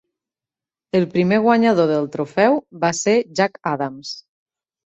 El primer guanyador del trofeu va ser Jack Adams.